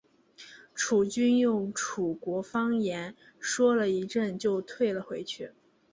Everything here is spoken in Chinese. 楚军用楚国方言说了一阵就退了出去。